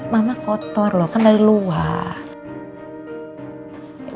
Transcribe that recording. mama kotor loh kan dari luar